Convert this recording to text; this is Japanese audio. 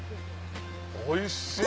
おいしい！